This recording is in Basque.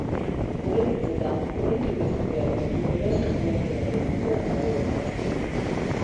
Horren hitzetan, oraindik ez dute argitu eraso saiakeraren atzean dagoen arrazoia.